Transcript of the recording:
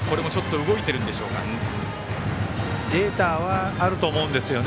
データはあると思うんですよね。